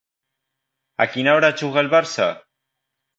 A quina hora juga el Barça?